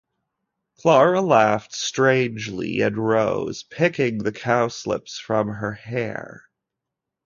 Clara laughed strangely, and rose, picking the cowslips from her hair.